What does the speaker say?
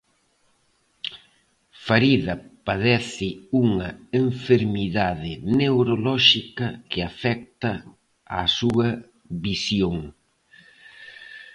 Farida padece unha enfermidade neurolóxica que afecta á súa visión.